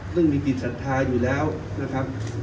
ซึ่งมีจิตศรัทธาอยู่แล้วนะครับ